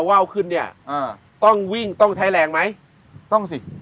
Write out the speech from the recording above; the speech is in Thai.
ว่าวขึ้นเนี่ยอ่าต้องวิ่งต้องใช้แรงไหมต้องสิ